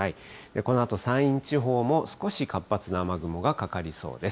このあと山陰地方も、少し活発な雨雲がかかりそうです。